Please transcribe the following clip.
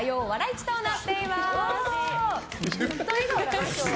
市となっています。